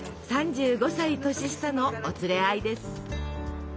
３５歳年下のお連れ合いです。